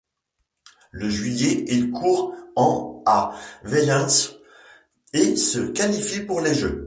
Le juillet il court en à Velenje et se qualifie pour les Jeux.